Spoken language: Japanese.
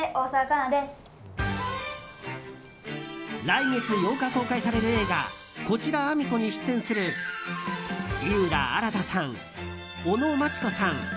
来月８日公開される映画「こちらあみ子」に出演する井浦新さん、尾野真千子さん